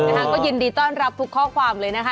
ก็ยินดีต้อนรับทุกข้อความเลยนะคะ